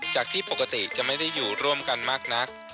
จากที่ปกติจะไม่ได้อยู่ร่วมกันมากนัก